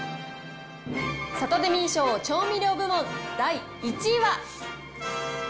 サタデミー賞調味料部門第１位は。